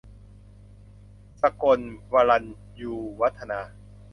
สกนธ์ วรัญญูวัฒนา